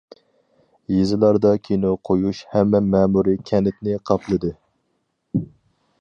يېزىلاردا كىنو قويۇش ھەممە مەمۇرىي كەنتنى قاپلىدى.